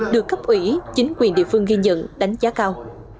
được cấp ủy chính quyền địa phương ghi nhận đánh giá cao